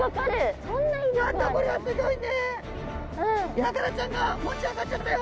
ヤガラちゃんが持ち上がっちゃったよ！